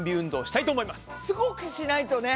すごくしないとね！